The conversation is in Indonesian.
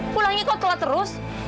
pulangin kotoran terus